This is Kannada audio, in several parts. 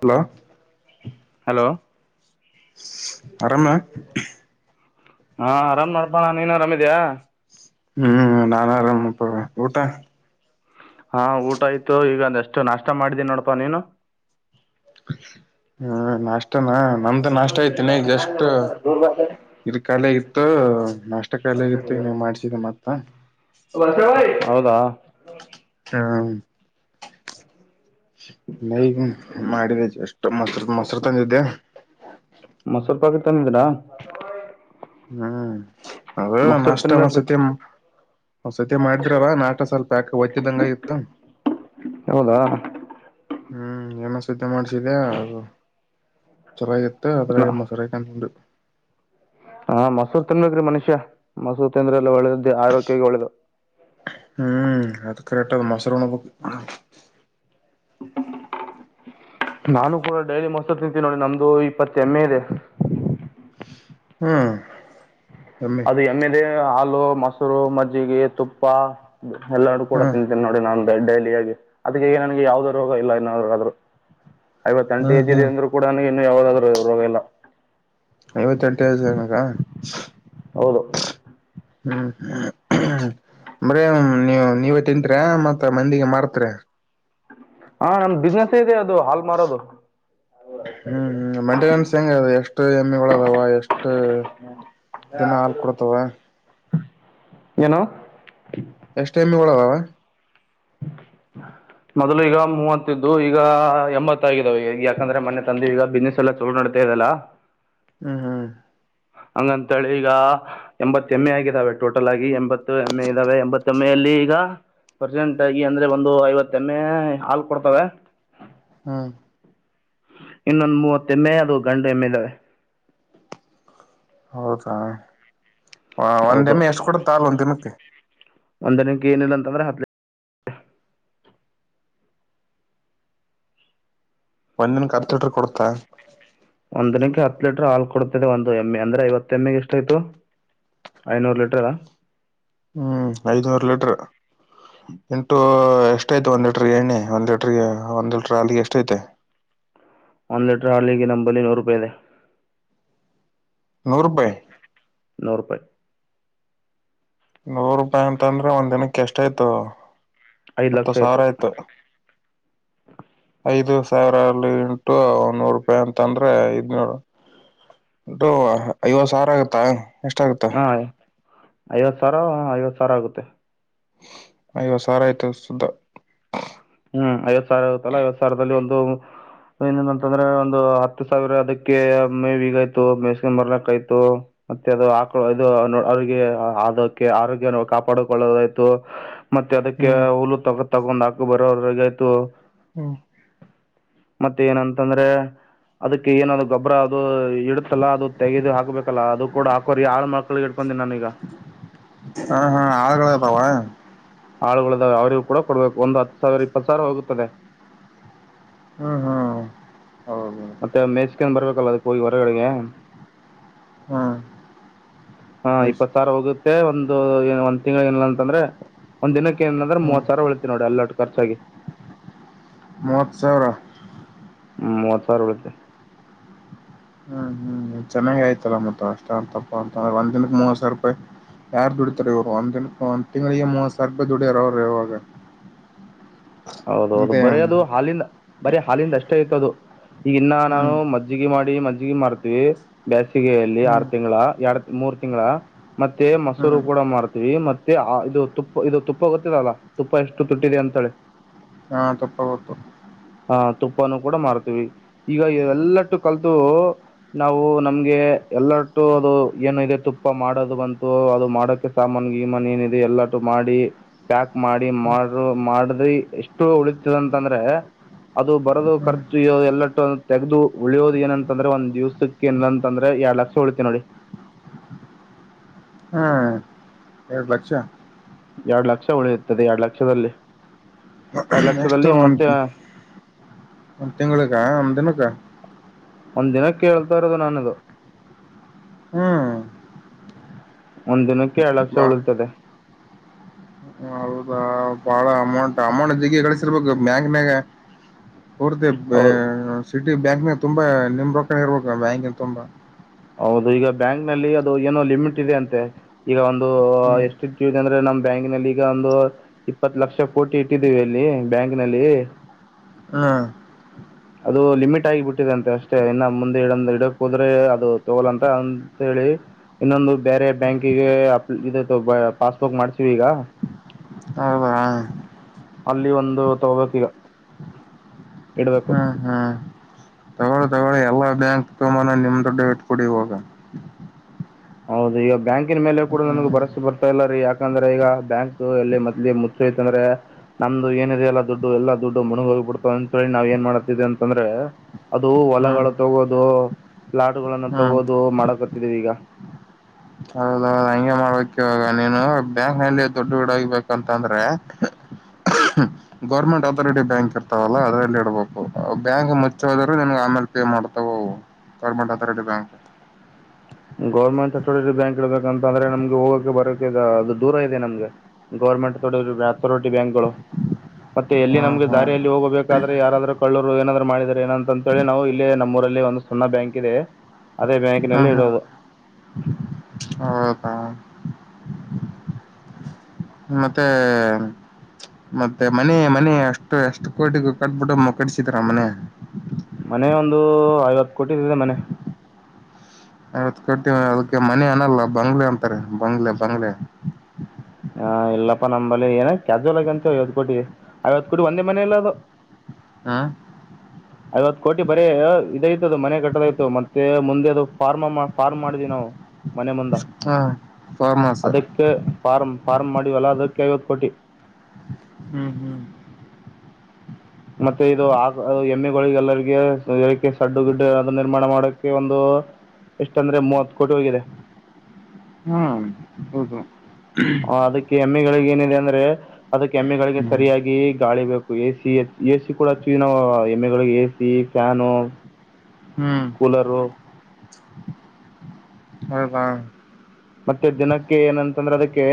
ಹಲೋ ಹಲೋ [unintelligible] ಆರಾಮ ಹಾ ಆರಾಮ್ ನಡ್ಪಳ ನೀನ್ ಆರಾಮಿದೀ ಹ್ಮ್ ನಾನ್ ಆರಾಮ್ಪ್ಪ ಊಟ ಹಾ ಊಟ ಆಯ್ತು ಈಗಂದ ಎಷ್ಟು ನಾಷ್ಟ ಮಾಡಿದ್ದೀನಿ ನೋಡಪಾ ನೀನು ಹ್ಮ್ ನಾಷ್ಟ ನಾ ನಮ್ದ ನಾಷ್ಟ ಐತಿನೆಗ ಜಸ್ಟ್ ಇದ ಕಖಾಲಿಗತ್ತು ನಾಷ್ಟ ಖಾಲಿ ಆಗತ್ತುನ ಮಾಡ್ಸಿದ ಮತ್ತ ಹಾ [unintelligible] ಹ ನಗ ಮಾಡಿದ ಎಷ್ಟು ಮೊಸರು ಮೊಸರು ತಂದಿದ್ದೆ ಮೊಸರು ಪಾಕ ತಂದಿದ್ರಾ ಹ್ಮ್ ಅದ ನಷ್ಟ ತಿನ್ಬೇಕ್ರಿ ಒ್ಸತಿ ಒ್ಸತಿ ಮಾಡಿದ್ರವ ನಾಟ ಸ್ವಲ್ಪ ಯಾಕ ಒತ್ತಿದಂಗ ಇತ್ತ ಹೌದಾ ಹ್ಮ್ ಏನ ಸಿದ್ಧ ಮಾಡ್ಸಿದ್ಯಾ ಅದು ಚೆನ್ನಾಗಿತ್ತು ಮತ್ತ ಅದ ಮಸರು ಹಾ ಮಸೂರ್ ತಿನ್ಬೇಕೇರೀ ಮನುಷ್ಯ ಮಸೂರು ತಿಂದ್ರ ಎಲ್ಲ ಒಳ್ಳೆದ ಇದು ಆರೋಗೋಗ್ಯಾಗ ಒಳದು ಹ್ಮ್ ಅದು ಕರೆಕ್ಟ್ ಅದು ಮೊಸರಣ ಹ ನಾನು ಕೂಡ ಡೈಲಿ ಮೊಸರು ತಿಂತೀನಿನೋಡಿ ನಮ್ದು ಇಪ್ಪತ್ತ ಎಮ್ಮೆ ಇದೆ ಹ್ಮ್ ಎಮ್ಮಿ ಅದು ಎಮ್ಮೇದೆ ಆಲ ಮೊಸರು ಮಜ್ಜಿಗೆ ತುಪ್ಪ ಎಲ್ಲರೂ ಕೂಡ ಹ್ಮ್ ತಿಂತೇನೆ ನೋಡಿ ನಾನು ಡೈಲಿಯಾಗಿ ಅದ ಹೇಗೆ ನನಗೆ ಯಾವ್ದ ರೋಗ ಇಲ್ಲ ಇನ್ನಾದ್ರುಾದ್ರರು ಐವತ್ತ ಹ್ಮ್ ಎಟು ಜ ಇದೆ ಹ್ಮ್ ಅ್ರ ಕೂಡನಗೆ ಯಾವದಾದ್ರು ರೋಗ ಇಲ್ಲ ಐವತ್ತೆಂಟ ವಸನಕ್ಕಾ ಹ ಹೌದು ಹ್ಮ್ ಹ್ಮ ಬ್ರ ನೀವ ನೀವೇ ತಿಂತ್ರ ಮತ್ತ ಮಂದಿಗೆ ಮಾರ್ತ್ ಹಾಂ ನನ್ನ ಬಿಸ್ನೆಸ್ ಇದೆ ಅದು ಹಾಲ್ ಮಾರೋದು ಹ್ಮ್ ಹ್ಮ್ ಮೇಂಟೆನೆನ್ಸ್ ಹೆಂಗದೆ ಎಷ್ಟು ಹೆಮ್ಮಿಗಳದಾವ ಎಷ್ಟ ದಿನ ಹಾಲ್ ಕೊಡತವ ಏನು ಎಷ್ಟ ಎಮ್ಮೆಗಳವಾವ್ ಮೊದ್ಲು ಈಗ ಮೂವತ್ತಿದ್ದು ಈಗ ಎಂಬತ್ತಾಗಿದ್ದಾವ ಈಗ ಯಾಕಂದ್ರೆ ಮೊನೆೆ ತಂದೆ ಈಗ ಬಿಸ್ನೆಸ್ ಎಲ್ಲ ಚಲ ನಡತಾ ಇದದೆಲ್ಲ ಹ್ಮ್ ಹ್ಮ್ ಹಂಗಂತೇಳಿ ಈಗ ಎಂಬತ್ ಎಮ್ಮೆ ಆಗಿದ್ದಾವೆ ಟೋಟಲ್ ಆಗಿ ಎಂಬತ್ತು ಎಮ್ಮ ಎ ಇದ್ದಾವೆ ಎಂಬತ್ತ ಎಮ್ಮ ಅಲ್ಲಿ ಈಗ ಪ್ರರ್ಸೆಂಟ್ ಆಗಿ ಅಂದ್ರೆ ಒಂದು ಐವತ್ತ ಎಮ್ಮೆ ಹಾಲ್ ಕೊಡ್ತವೆ ಹ್ಮ್ ಇನ್ನೊಂದು ಮೂವತ್ತ ಎಮ್ಮೆ ಅದು ಗಂಡು ಎಮ್ಮೆ ಇದಾವೆ ಹೌದ ಆ ಒಂದ್ ಡೇ ಹೌದು ಮಿ ಎಷ್ಟ ಕೂಡ ತಾಲ್ ಒಂದ ದಿನಕ್ಕೆ ಒಂದನಕ್ಕೆ ಏನಿಲ್ಲ ಅಂತಂದ್ರೆ ಹಪ್ ಒಂದಿನಕೆ ಹತ್ತು ಲೀಟರ ಕೊಡ್ತ ಹಂದಿನಕ್ಕೆ ಹತ್ತು ಲೀಟರ್ ಹಾಲ್ ಕೊಡ್ತದೆ ಒಂದು ಎಮ್ ಎ ಅಂದ್ರೆ ಐವತ್ತು ಎಮ್ ಎಗೆ ಎಷ್ಟ ಆಯತು ಐನೂರು ಲೀಟರ್ ಹ್ಮ್ ಐದನೂರು ಲೀಟರ್ ಎಂಟು ಎಷ್ಟ ಐತ ಒಂದು ಲೀಟರ್ ಎಣ್ಣೆ ಒಂದ್ ಒಂದ್ೆಟ್ರ ಅಾಲಿಗೆ ಎಷ್ಟ ಐತೆ ಒಂದ್ ಲೀಟರ್ ಹಾಲಿಗೆ ನಂಬಲ್ಲಿ ನೂರು ರೂಪಾಯಿ ಇದೆ ನೂರ್ ರೂಪಾಯಿ ನೂರ್ ರೂಪಾಯಿ ನೂರು ರೂಪಾಯಿ ಅಂತ ಅಂದ್ರೆ ಒಂದ್ ದಿನಕ್ಕೆ ಎಷ್ಟಾಯ್ತು ಐದು ಹತ್ತು ಲಕ್ಷ ಆಯಿತು ಸಾವಿರ ಆಯ್ತು ಐದು ಸಾವಿರ ಅಲ್ಲಿ ಇಂಟು ನೂರು ರೂಪಾಯಿ ಅಂತಂದ್ರೆ ಐದ್ನೂರು ಇಂಟು ಐವತ್ತು ಸಾವಿರ ಆಗತ್ತಾ ಎಷ್ಟಾಗತ್ತ ಹಾ ಐವತ್ತು ಸಾವಿರ ಹಾ ಐವತ್ತು ಸಾವಿರ ಆಗುತ್ತೆ ಐವತ್ತು ಸಾವಿರ ಆಯ್ತ ಸುದ್ದ ಹ್ಮ್ ಐವತ್ ಸಾವಿರ ಆಗುತ್ತಲ್ಲ ಐವತ್ ಸಾವಿರದಲ್ಲಿ ಒಂದು ಏನನಂತಂದ್ರೆ ಒಂದು ಹತ್ತು ಸಾವಿರ ಅದಕ್ಕೆ ಮೇವಿಗ್ ಆಯ್ತು ಮೇಸ್ಕೊಂಡ್ ಬರ್ಲಕ್ ಆಯ್ತು ಮತ್ತೆ ಅದು ಹಾಕ ಇದು ಅರಿಗೆ ಆದಕೆ ಆರೋಗ್ಯ ಕಾಪಾಡಕೊಳ್ಳೋದಾಯ್ತು ಮತ್ತೆ ಅದಕ್ಕೆ ಹ್ಮ್ ಹುಲ್ಲ್ ತಗ ತಗೊಂದು ಹಾಕ್ [unintelligible] ಹ್ಮ ಮತ್ತೆ ಏನಂತಂದ್ರೆ ಅದಕ್ಕೆ ಏನನಾ ಗೊಬ್ಬರ ಅದು ಇಡುತ್ತಲ್ಲಾ ಅದು ತೆಗೆದು ಹಾಕ್ಬೇಕಲ್ಲ ಅದು ಕೂಡ ಹಾಕೋರಿ ಆಳ್ ಮಕ್ಳಿಗೆ ಇಡ್ಕೊಂಡೀನಿ ನಾನೀಗ ಹಾ ಹಾ ಆಳ್ಗಳದಾವ ಆಳುಗಳಿದಾವೆ ಅವ್ರಿಗ್ ಕೂಡ ಕೊಡ್ಬೇಕು ಒಂದು ಹತ್ತು ಸಾವಿರ ಇಪ್ಪತ್ತು ಸಾವಿರ ಹೋಗುತ್ತದೆ ಹ್ಮ್ ಹ್ಮ್ ಹೌದ ಮತ್ತೆ ಮೇಸ್ಕ್ಯಾಂದ್ ಬರ್ಬೇಕಲ್ಲ ಅದಕ್ ಹೋಗಿ ಹೊರಗಡೆಗೆ ಹ್ಮ್ ಹಾ ಎಷ್ಟ್ ಇಪ್ಪತ್ ಸಾವಿರ ಹೋಗುತ್ತ ಏ ಒಂದು ಏನ್ ಒಂದ ತಿಂಗಳಾಗ್ ಏನಿಲ್ಲ ಅಂತಂದ್ರೆ ಒಂದ ದಿನಕ್ಕೆ ಏನಂದ್ರೆ ಹ್ಮ್ ಮೂವತ್ ಸಾವಿರ ಉಳಿತಿ ನೋಡ್ ಎಲ್ಲಡ್ ಖರ್ಚಾಗಿ ಮೂವತ್ತು ಸಾವಿರ ಹ್ಮ್ ಮೂವತ್ ಸಾವಿರ [unintelligible] ಹ್ಮ್ ಹ್ಮ್ ಚೆನ್ನಾಗ ಆಯ್ತಲ್ಲ ಮತ್ತ ಅಷ್ಟ ಅಂತಪ್ಪ ಅಂತಂದ್ರೆ ಒಂದ್ ದಿನಕ್ ಮೂವತ್ ಸಾವಿರ ರೂಪಾಯಿ ಯಾರ್ ದುಡಿತಾರೆ ಇವಾಗ ಒಂದ್ ದಿನಕ್ ಒಂದ್ ತಿಂಗ್ಳಿಗೆ ಮೂವತ್ ಸಾವಿರ ರೂಪಾಯಿ ದುಡ್ಯಾರ ಅವ್ರ ಇವಾಗ ಹೌದ ಹೌದು ಇದೇ ಬರೇ ಹ್ಮ್ ಅದು ಹಾಲಿಂದ ಬರೇ ಹಾಲಿಂದ್ ಅಷ್ಟೇ ಅಯ್ತ್ ಅದು ಈಗಿನ್ನ ನಾನು ಹ್ಮ್ ಮಜ್ಜಿಗೆ ಮಾಡಿ ಮಜ್ ಜಿಗಿ ಮಾಡ್ತೀವಿ ಬ್ಯಾಸ್ ಗೆಯಲ್ಲಿ ಆರು ತಿಂಗಳ ಎರಡು ಮೂರು ತಿಂಗ್ಳಾ ಮತ್ತೆ ಮೊಸರು ಹ್ಮ್ ಕೂಡ ಮಾರ್ತಿವಿ ಮತ್ತೆ ಇದು ತುಪ್ಪ ಇದು ತುಪ್ಪ ಗೊತ್ತಿಲ್ಲ ಅಲ್ಲ ತುಪ್ಪ ಎಷ್ಟು ತುಟ್ಟಿದೆ ಅಂತೇಳಿ ಹಾ ತುಪ್ಪ ಗೊತ್ತು ಆಹ ತುಪ್ಪಾನ ಕೂಡ ಮಾರತಿವಿ ಈಗ ಎಲ್ಲಟ್ಟು ಕಲಿತು ನಾವು ನಮ್ಗೆ ಎಲ್ಲಟ್ಟು ಅದು ಏನ ಇದೆ ತುಪ್ಪ ಮಾಡೋದು ಬಂತು ಅದು ಮಾಡೋಕ ಸಾಮಾನ ಗೀಮನ್ ಏನಿದೆ ಎಲ್ಲಟು ಮಾಡಿ ಪ್ಯಾಕ್ ಮಾಡಿ ಹ್ಮ್ ಮಾಡರು ಮಾಡಿದ್ರಿ ಎಷ್ಟ ಷ್ಟು ಉಳಿತದಂತಂದ್ರೆ ಅದು ಬರೋದು ಹ್ಮ್ ಖರ್ಚು ಇರೋದು ಎಲ್ಲಟ್ಟು ತೆೆಗೆದು ಉಳಿಯೋದು ಏನಂತಂದ್ರೆ ಒಂದ್ ದಿವ್ಸಕ್ಕೆ ಏನಂತಂದ್ರೆ ಎರಡ್ ಲಕ್ಷ ಉಳಿತ ನೋಡಿ ಎರಡು ಲಕ್ಷ ಎರಡು ಲಕ್ಷ ಉಳಿಯುತ್ತದೆ ಎರಡು ಲಕ್ಷದಲ್ಲಿ ಎರಡ್ ಎಷ್ಟು ಲಕ್ಷದಲ್ಲಿ ಒಂದ ಮತ್ತೆ ಒಂದ ತಿಂಗಳಿಗೆ. ಕ ಅಂದನಕ. ಒಂದ್ ದಿನ ಕೇಳ್ತಾ ಇರೋದು ನಾನದು. ಹ್ಮ್. ಒಂದ್ ದಿನಕ್ಕೆ ಎರಡ್ ಲಕ್ಷ ಬಾ ಉಳತದೆ. ಹ ಬಾಳ ಅಮೌಂಟ್ ಅಮೌಂಟ್ಿಗೆ ಕಗಳಿಸಿರ್ಬೇಕು ಬ್ಯಾಂಕ್ನ್ಾಗ. ಹೊರ್ದ ಹೌದು ಸಿ. ಬ್ಯಾಂಕ್ ತುಂಬಾ ನಿಮ್ ರೊಕನ್ ಇರ್ಬೇಕ ಬ್ಯಾಂಕ ತುಂಬಾ. ಹೌದು ಈಗ ಬ್ಯಾಂಕ್ ನಲ್ಲಿ ಅದು ಏನೋ ಲಿಮಿಟ್ ಇದೆ ಅಂತೆ ಈಗ ಒಂದು. ಹ್ಮ್ ಎಷ್ಟ. ಂದ್ರೆ ನಮ್ ಬ್ಯಾಂಕ್ ನಲ್ಲಿ ಈಗ ಒಂದು ಇಪ್ಪತ್ ಲಕ್ಷ ಕೋಟಿ ಇಟ್ಟಿದೀವಿ ಅಲ್ಲಿ ಬ್ಯಾಂಕ್ ನಲ್ಲಿ. ಹ್ಮ್ ಅದು ಲಿಮಿಟ್ ಆಗಿಬಿಟ್ಟಿದೆ ಅಂತೆ ಅಷ್ಟೇ ಇನ್ನು ಮುಂದೆ ಇಡ ಇಡಕ್ ಹೋದ್ರೆ ಅದು ತಗೋಲ್ಲಂತ ಅಂತಿ ಇನ್ನೊಂದು ಬೇರೆ ಬ್ಯಾಂಕಿಗೆ ಅಪ್ ಇ ಪಾಸ್ಬುಕ್ ಮಾಡ್ಸೀಿವಿ ಈಗ. ಹೌದಾ ಅಲ್ಲಿ ಒಂದು ತಗೋಬೇಕೀಗ ಇಡ್ಬೇಕು. ಹ್ಮ್ ಎಲ್ಲ ಬ್ಯಾಂಕ್ ತೋಮಾನ ನಿಮ್ದು ಡೆಬಿಟ್ ಕೊಡಿ ಹಾಗ. ಹೌದು ಈಗ ಬ್ಯಾಂಕಿನ ಮೇಲೆ ಕೂಡ ನಮಗೆ ಭರವಸೆ ಬರ್ತಾ ಇಲ್ಲ ರೀ ಯಾಕಂದ್ರೆ ಈಗ ಬ್ಯಾಂಕ್ ಎಲ್ಲಿ ಮದ್ ಮುಚ್ಚಯತಂದ್ರೆ ನಮ್ದು ಏನಿದೆಲ್ಲಾ ದುಡ್ಡು ಎಲ್ಲಾ ದುಡ್ಡು ಮುಣಗ ಹೋಗಿಬಿಡ್ತಾವ ಅಂತೇಳಿ ನಾವ್ ಏನ್ ಮಾಡತವಿ ಅಂತಂದ್ರೆ ಅದು ಹ್ಮ್ ಹೊಲಗಳು ತಗೋದು ಪ್ಲಾಟ್ ಗಳನ್ನು ಹ್ಮ್ ತಗೋದು ಮಾಡಕತ್ತಿದೀವಿ ಈಗ. ಕವಾಗ ನೀನು ಬ್ಯಾಂಕ್ ನಲ್ಲಿ ದೊಡ್ಡು ವಡಗಬೇಕಂತಂದ್ರೆ ಗೌರ್ಮೆಂಟ್ ಅಥಾರಿಟಿ ಬ್ಯಾಂಕ್ ಇರ್ತಾವಲ್ಲ ಅದ್ರಲ್ಲಿ ಇಡಬೇಕು ಬ್ಯಾಂಕ್ ಮುಚ್ಚ ಹೋದ್ರ ನನ್ ಆಮೇಲೆ ಪೇ ಮಾಡ್ತಾವ ಗೌರ್ಮೆಂಟ್ ಅಥಾರಿಟಿ ಬ್ಯಾಂಕ್. ಗೌರ್ಮೆಂಟ್ ಅಥೋಟಿ ಬ್ಯಾಂಕ್ ಗಳು ಬಂತಂದ್ರೆ ನಮಗೆ ಹೋಗೋಕ್ಕೆ ಬರಕ ಅದು ದೂರ ಇದೆ ನಮ್ಗೆ ಗವರ್ಮೆಂಟ್ ಅ ಅಥೋಟಿ ಬ್ಯಾಂಕ್ ಗಳು ಮತ್ತೆ ಎಲ್ಲಿ ಹ್ಮ್ ನಮ್ಗೆ ಹ್ಮ್ ದಾರಿಯಲ್ಲಿ ಹೋಗಬೇಕಾದ್ರೆ ಯಾರಾದ್ರರು ಕಳ್ಳರು ಏನಾದ್ರರು ಮಾಡಿದಿದ್ದಾರೆ ಏನಂತ ಅಂತ ಹೇಳಿ ನಾವು ಇಲ್ಲೇ ನಮ್ಮ ಊರಲ್ಲಿ ಒಂದು ಸಣ್ಣ ಬ್ಯಾಂಕ್ ಇದೆ. ಅದೇ ಬ್ಯಾಂಕ್ಿನಲ್ಲಿ ಹ್ಮ್ ಹ್ಮ್ ಇಡುವುದು. ಹೌದಾ ಮತ್ತೆ ಮತ್ತೆ ಮನೆ ಮನೆ ಅಷ್ಟು ಎಷ್ಟು ಕೋಟಿಗ ಕಟ್ಬಿಟ್ಟು ಕಡಿಸಿದರ ಮನೆ. ಮನೆ ಒಂದು ಐವತ್ತು ಕೋಟಿ ಇದಿದೆ ಮನೆ. ನತ್ತು ಕೊಟ್ಟೀ ಅದಕ್ಕೆ ಮನೆ ಅನಲ್ಲ ಬಂಗ್ಲೆ ಅಂತಾರೆ ಬಂಗ್ಲೆ ಬಂಗ್ಲೆ. ಹಾ ಇಲ್ಲಪ್ಪಾ ನಮ್ಮಲ್ಲಿ ಏನ ಕ್ಯಾಾಜುವಲ್ ಆಗಿ ಅಂತು ಐವತ್ ಕೋಟಿ ಐವತ್ತು ಕೋಟಿ ಒಂದೇ ಮನೆ ಇಲ್ಲ ಅದು ಹ್ಮ್ ಐವತ್ ಕೋಟಿ ಬರೀ ಇದೈತ ಅದು ಮನೆ ಕಟ್ಟದಯ್ತತ್ತು ಮತ್ತೆ ಮುಂದೆ ಅದು ಫಾರ್ಮ ಫಾರ್ಮ್ ಮಾಡಿದೀವಿ ನಾವು. ಮನೆ ಮುಂದೆ ಹಾ ಫಾಮ್ ಹೌಸ್. ಅದಕ್ಕೆ ಫಾರ್ಮ್ ಫಾರ್ಮ್ ಮಾಡಿವವಲ್ಲ ಅದಕ್ಕೆ ಐವತ್ತು ಕೋಟಿ. ಹ್ಮ್ ಹ್ಮ್ ಮತ್ತೆ ಇದು ಆ ಎಮ್ಮೆಗಳಿಗೆ ಎಲ್ಲರಿಗೆ ಏಕ್ಕೆ ಸಡ್ಡು ಗಿಡ್ಡೆ ಅದು ನಿರ್ಮಾಣ ಮಾಡೋಕ್ಕೆ ಒಂದು ಎಷ್ಟ ಅಂದ್ರೆ ಮೂವತ್ತು ಕೋಟಿ ಹೋಗಿದೆ. ಹ್ಮ್ ಹೌದು ಹ ಅದಕ್ಕೆ ಎಮ್ಮೆಗಳಿಗೆ ಏನಿದೆ ಅಂದ್ರೆ ಅದಕ್ಕೆ ಎಮ್ಮೆಗಳಿಗೆ ಹ್ಮ್ ಸರಿಯಾಗಿ ಗಾಳಿ ಬೇಕು ಎ ಸಿ ಎಸ ಕೂಡ ಹಚ್ಚುವಿನಾವು ಎಮ್ಮೆಗಳಿಗೆ ಎಸಿ ಫ್ಯಾಾನ. ಹ್ಮ್ ಕೂಲರು. ಹ ಹಾ. ಮತ್ತೆ ದಿನಕ್ಕೆ ಏನಂತಂದ್ರೆ ಅದಕ್ಕೆ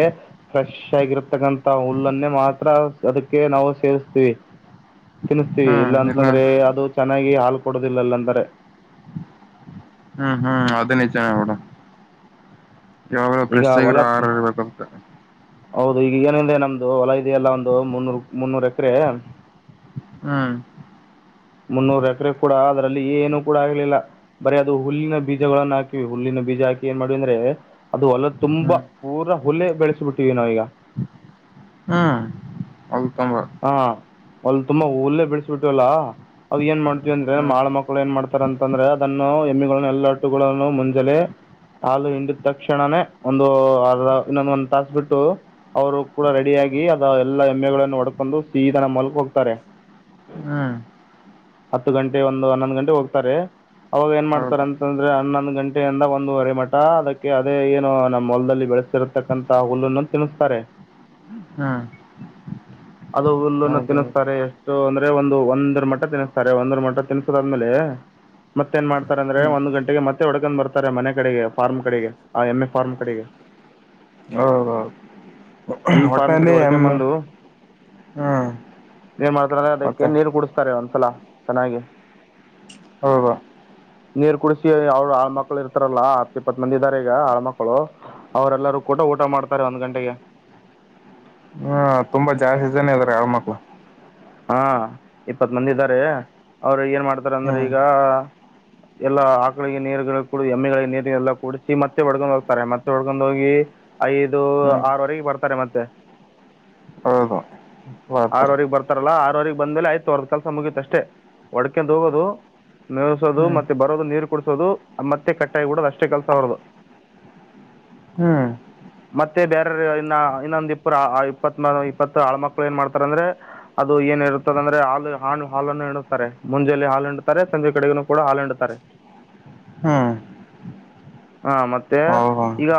ಫ್ರೆಶ್ ಆಗಿರತಕ್ಕಂಥ ಹುಲ್ಲನ್ನೇ ಮಾತ್ರ ಅದಕ್ಕೆ ನಾವು ಸೇರಿಸ್ತೀವಿ ತಿನ್ನಿಸ್ತೀವಿ ಹ್ಮ್ ಇಲ್ಲ ಇಲ್ಲಾಂತಂದ್ರೆ ಅದು ಚೆನ್ನಾಗಿ ಹಾಲು ಕೊಡೋುದಿಲ್ಲಲ್ಲ ಅಂದಾರೆ. ಹ್ಮ್ ಹ್ಮ್ ಅದ ನೀಜನೆ ಬೀಡು. ಯಾವಾಗಲ ಈಗ ಹೊಲ ಪ್ರೆಸ್ತಗರು ಆರ ಇರ್ಬೇಕಾಗ್ತದೆ ಹೌದು ಈಗ ಏನಿದೆ ನಮ್ದು ಹೊಲ ಇದೆಯಲ್ಲ ಒಂದು ಮುನ್ನೂರ್ ಮುನ್ನೂರ್ ಎಕರೆ. ಹ್ಮ್ ಮುನ್ನೂರ ಎಕರೆ ಕೂಡ ಅದರಲ್ಲಿ ಏನುೂ ಕೂಡ ಆಗ್ಲಿಲ್ಲ ಬರೀ ಅದು ಹುಲ್ಲಿನ ಬೀಜಗಳಗಳನ್ನು ಹಾಕಿವಿ ಹುಲ್ಲಿನ ಬೀಜ ಹಾಕಿ ಏನ್ ಮಾಡ್ಿವವಿ ಅಂದ್ರೆ ಅದು ಹೊಲ್ಲ ತುಂಬಾ ಹ್ಮ್ ಪೂರಾ ಹುಲ್ಲ ಬೆಳೆಸಿಬಿಟ್ಟಿವವಿ ನಾವೀಗ. ಹ್ಮ್ ಅದು ತಂಬ ಹ ಅಲ್ ತುಂಬಾ ಹಲ್ಲೇ ಬಿಡಿಸಬಿಟ್ಟುಲ್ಲ ಅ ಏನ್ ಮಾಡ್ತೀವಿ ಅಂದ್ರೆ ಹ್ಮ್ ಮಾಡಳ ಮಕ್ಕಳು ಏನ್ ಮಾಡ್ತಾರ ಅಂತಂದ್ರೆ ಅದನ್ನು ಎಮ್ಮೆಗಳನ್ನು ಎಲ್ಲಾ ಹಟ್ಟುಗಳನ್ನು ಮುಂಜಾಲೆ ಹಾಲು ಹಿಂಡಿದ ತಕ್ಷಣನೇ ಒಂದು ಅರ್ಧ ಇನ್ನೊಂದ ಒಂದ್ ತಾಸ ಬಿಟ್ಟು ಅವರು ಕೂಡ ರೆಡಿಯಾಗಿಿ ಅದ ಎಲ್ಲಾ ಎಮ್ಮೆಗಳನ್ನು ಒಡ. ಬಂದು ಸೀದ ಹೊಲಕ್ಕೆ ಹೋಗ್ತಾರೆ. ಹ್ಮ್ ಹತ್ತು ಗಂಟೆ ಒಂದು ಹನ್ನೊಂದು್ ಗಂಟೆ ಹೋಗ್ತಾರೆ ಅವಾಗ ಏನ್ ಮಾಡ್ತಾರೆ ಹೌದಾ ಅಂತಂದ್ರೆ ಹನ್ನೊಂದು್ ಗಂಟೆಯಿಂದ ಒಂದು ಅರೆ ಮಠ ಅದಕ್ಕೆ ಅದೇ ಏನು ನಮ್ಮ ಹೊಲದಲ್ಲಿ ಬೆಳೆಸ್ತಿರತಕ್ಕಂತ ಹುಲ್ಲನ್ನು ತಿನ್ನಿಸ್ತಾರೆ ಹ್ಮ್ ಅದು ಹುಲ್ಲುನ್ನು ಹೌದೌದು ತಿನ್ನಿಸ್ತಾರೆ ಎಷ್ಟು ಅಂದ್ರೆ ಒಂದು ಒಂದರ ಮಠ ತಿನ್ನಿಸ್ತಾರೆ. ಸ ಒಂದ ಮಂ ತಿನ್ಸುದ ಆದ್ಮೇಲೆ ಮತ್ತ ಏನ್ ಮಾಡ್ತಾರೆ ಅಂದ್ರೆ ಹ್ಮ್ ಒಂದ್ ಗಂಟೆಗೆ ಮತ್ತೆ ಒಡ್ಗೊಂಡ್ ಬರ್ತಾರೆ ಮನೆ ಕಡೆಗೆ ಫಾರ್ಮ್ ಕಡೆಗೆ ಆ ಎಮ್ಮ ಎ ಫಾರ್ಮ್ ಕಡೆಗೆ. ಹೌದೌದು ಎನ್ ಫಾರ್ಮ್ ಕಡೆ ಒಟ್ಟಲ್ಲಿ ಒಡಕ ಎಮ್ಮ ಬಂದು. ಹ್ಮ್ ನೀ ಮಾಡ್ತ ಅದಕ್ಕೆ ಮತ್ತೆ ನೀರು ಕುಡಿಸ್ತಾರೆ ಒಂತ. ಸಲ. ಚನ್ನೇಗಿ. ಹೌ ದ. ನೀರ್ ಕುಡಿಸಿಿ ಅವರು ಆಳ್ ಮಕ್ಳು ಇರ್ತಾರಲ್ಲಾ ಹತ್ ಇಪ್ಪತ್ ಮಂದಿ ಇದ್ದಾರೆ ಈಗ ಆಳ ಮಕ್ಕಳು ಅವರೆಲ್ಲರೂ ಕೂಟ ಊಟ ಮಾಡ್ತಾರೆ ಒಂದ್ ಗಂಟೆಗೆ. ಹ ತುಂಬಾ ಜಾಸ್ತಿ ಇದಾನೇ ಇದಾರೆ ಯಾವ್ಮಕ್ಳು ಹಾ ಇಪ್ಪತ್ ಮಂದ ಇದ್ದಾರೆ ಅವರು ಏನ್ ಮಾಡ್ತಾರ ಅಂದ್ರೆ ಹ್ಮ್ ಈಗ ಎಲ್ಲ ಆಕಳಿಗೆ ನೀರು ಎಮ್ಮಿಗಳಿಗೆ ನೀರುಲ್ಲ ಕೂಡಿಸಿ ಮತ್ತೆ ಒಡ್ಗೊಂಡ್ ಹೋಗ್ತಾರೆ ಮತ್ತೆ ಒಡ್ಗೊಂಡ್ ಹೋಗಿ ಐದು ಹ್ಮ್ ಆರವರೆಗೆ ಬರ್ತಾರೆ ಮತ್ತೆ ಹೌದು ಬರ್ತಾರೆ [unintelligible] ಬರ್ರೆ ಆರವಗೆ ಬಂದೇ ಆಯ್ತು ಅವದ ಕೆಲಸ ಮುಗೀತ ಅಷ್ಟೇ ಒಡಕೆ ಹೋಗೋದು ನಸೋದು ಹ್ಮ್ ಮತ್ತೆ ಬರೋದು ನೀರು ಕುಡಸೋದು ಮತ್ತೆ ಕಟ್ಟಾಯಡೋದು ಅಷ್ಟೇ ಕೆಲಸ ಅವರದು ಹ್ಮ್ ಮತ್ತೆ ಬೇರೆ ಇನ್ನ ಇನ್ನೊಂದ ಇಪ್ಪರು ಇಪ್ಪ ಇಪ್ಪ ಆಳ ಮಕ್ಕಳ ಏ ಮಾಡ್ತಾರೆ ಅಂದ್ರೆ ಅದು ಏನ ಇರುತ್ತದ ಅಂದ್ರೆ ಹಾ ಹಾ ಹಾಲನ್ನು ಹಿಡುತ್ತಾರೆ ಮುಂಜೆಯಲ್ಲಿ ಹಾಲು ಹಿಂಡುತ್ತಾರೆ ಸಂಜೆ ಕಡೆಗ ಕೂಡ ಹಾಲು ಹಿಡುತ್ತಾರೆ ಹ್ಮ್ ಹಾ ಮತ್ತೆ ಹೌದಾ ಈಗ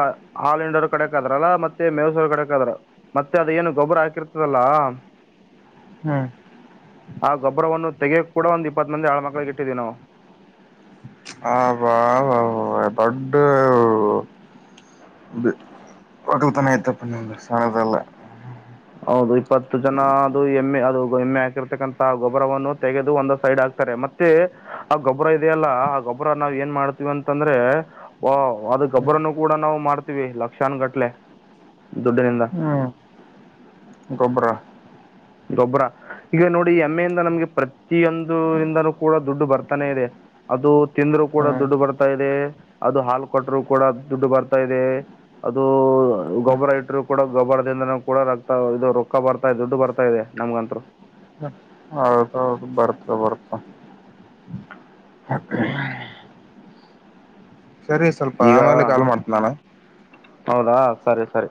ಆಲ್ಂಡರ್ ಕಡೆಕ್ದ್ರಲ್ಲ ಮತ್ತೆ ಮೇಸೂರು ಕಡಕ್ ಆದ್ರ ಮತ್ತೆ ಅದ ಏನು ಗೊಬ್ಬರ ಹಾಕಿರ್ತದಲ್ಲ ಹ್ಮ್ ಆ ಗೊಬ್ಬರವನ್ನು ತೆಗೆಕ್ ಕೂಡ ಒಂದ್ ಇಪ್ಪತ್ ಮಂದಿ ಆಳ್ ಮಕ್ಳಿಗೆ ಇಟ್ಟಿದ್ವಿ ನಾವು ದೊಡ ಮಕ್ಕಳ ತಾನ ಎತ್ತ ಪನ್ನಂದ ಸಣದಲ್ಲ ಹೌದು ಇಪ್ಪತ್ತು ಜನ ಅದು ಎಮ್ಮೆ ಅದು ಎಮ್ಮೆ ಹಾಕಿರ್ತಕ್ಕಂತ ಗೊಬ್ರವನ್ನು ತೆಗೆದು ಒಂದ ಸೈಡ್ ಹಾಕ್ತಾರೆ ಮತ್ತೆ ಆ ಗೊಬ್ಬರ ಇದೆಯ ಅಲ್ಲ ಆ ಗೊಬ್ಬರ ನಾವ್ ಏನ್ ಮಾಡ್ತೀವಿ ಅಂತಂದ್ರೆ ವ ಅದ ಹ್ಮ್ ಗೊಬ್ಬರನು ಕೂಡ ನಾವು ಮಾಡ್ತೀವಿ ಲಕ್ಷಾನ್ಗಟ್ಲೆ ದುಡ್ಡಿನಿಂದ ಹ್ಮ್ ಗೊಬ್ಬರ ರ ಗೊಬ್ಬರ ಈಗ ನೋಡಿ ಎಮ್ಮೆಯಿಂದ ನಮ್ಗೆ ಪ್ರತಿಯೊಂದರಿಂದನೂ ಕೂಡ ದುಡ್ಡು ಬರ್ತಾನೆ ಇದೆ ಅದು ತಿಂದರು ಕೂಡ ಹ್ಮ್ ದುಡ್ಡು ಬರ್ತಾ ಇದೆ ಅದು ಹಾಲು ಕೊಟ್ಟರು ಕೂಡ ದುಡ್ಡು ಬರ್ತಾ ಇದೆ ಅದು ಹ್ಮ್ ಗೊಬ್ಬರ ಇಟ್ಟರು ಕೂಡ ಗೊಬ್ಬರದಿಂದನ ಕೂಡ ರಕ್ತ ಇದು ರೊಕ್ಕ ಬರ್ತಾ ಇದೆ ದುಡ್ಡು ಬರ್ತಾ ತ ಇದೆ ನಮ್ಗಂತರು ಹ್ಮ್ ಹೌದೌದು ಬರ್ತ ಬರ್ತ ಸರಿ ಸ್ವಲ್ಪ ಈಗ ಆಮೇಲೆ ಕಾಲ್ ಮಾಡ್ತ ನಾನ ಹೌದಾ ಸರಿ ಸರಿ